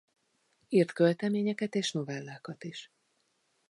Írt költeményeket és novellákat is.